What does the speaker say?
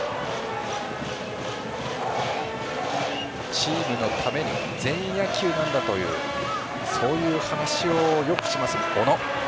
チームのために全員野球なんだというそういう話をよくします、小野。